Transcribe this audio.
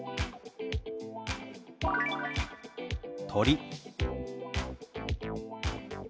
「鳥」。